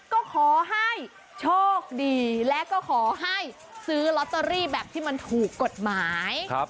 ก็ขอให้โชคดีและก็ขอให้ซื้อลอตเตอรี่แบบที่มันถูกกฎหมาย